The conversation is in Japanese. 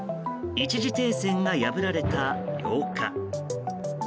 一時停戦が破られた８日。